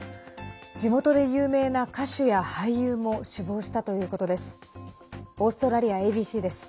地元で有名な歌手や俳優も死亡したということです。